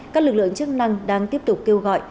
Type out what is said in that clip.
các lực lượng chức năng đang tiếp tục kêu gọi